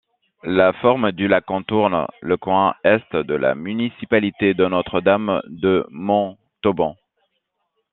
La forme du lac contourne le coin Est de la municipalité de Notre-Dame-de-Montauban.